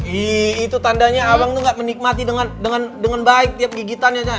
iii itu tandanya abang tuh gak menikmati dengan dengan dengan baik tiap gigitannya aja